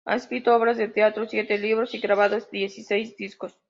Ha escrito obras de teatro, siete libros y grabado diecisiete discos.